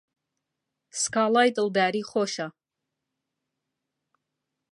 سکاڵای دڵداری خۆشە